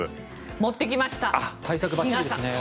持ってきました、日傘。